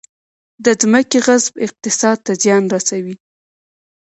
د ځمکې غصب اقتصاد ته زیان رسوي